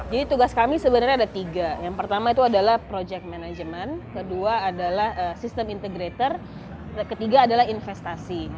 jadi tugas kami sebenarnya ada tiga yang pertama itu adalah project management kedua adalah system integrator ketiga adalah investasi